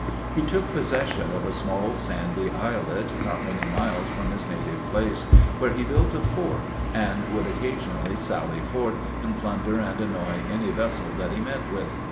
He took possession of a small sandy islet, not many miles from his native place, where he built a fort, and would occasionally sally forth, and plunder and annoy any vessel that he met with.